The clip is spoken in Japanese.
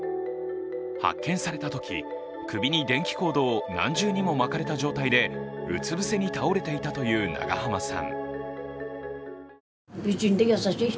発見されたとき、首に電気コードを何重にも巻かれた状態でうつぶせに倒れていたという長濱さん。